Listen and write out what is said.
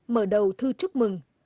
mở đầu thư chúc mừng